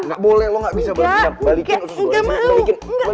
enggak boleh lo gak bisa balas dendam